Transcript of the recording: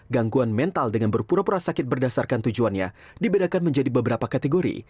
gangguan mental dengan berpura pura sakit berdasarkan tujuannya dibedakan menjadi beberapa kategori